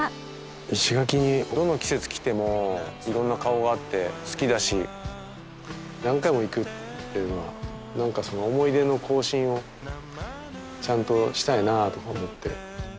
石垣にどの季節来てもいろんな顔があって好きだし何回も行くっていうのは思い出の更新をちゃんとしたいなとか思って。